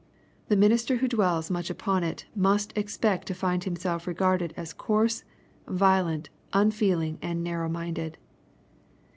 The minister who dwells much upon it, must expect to find himself regarded as coarse, violent, unfeeling, and narrow minded.